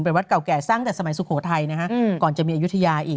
เป็นวัดเก่าแก่ตั้งแต่สมัยสุโขทัยนะฮะก่อนจะมีอายุทยาอีก